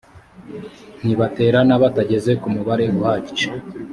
ntibaterana batageze ku mubare uhagije